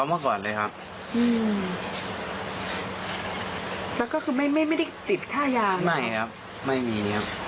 ไม่ครับไม่มีครับ